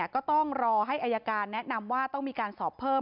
ก็ต้องรอให้อายการแนะนำว่าต้องมีการสอบเพิ่ม